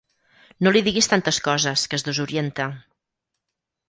No li diguis tantes coses, que es desorienta.